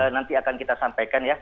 nanti akan kita sampaikan ya